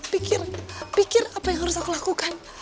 pikir pikir apa yang harus aku lakukan